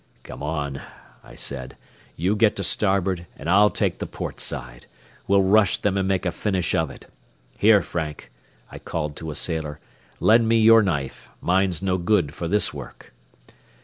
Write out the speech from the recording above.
"Come on," I said. "You get to starboard, and I'll take the port side. We'll rush them and make a finish of it. Here, Frank," I called to a sailor, "lend me your knife. Mine's no good for this work."